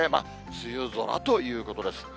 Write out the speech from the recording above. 梅雨空ということです。